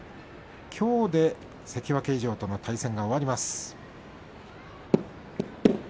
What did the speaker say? きょうで関脇以上との対戦が終わります。